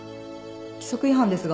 規則違反ですが。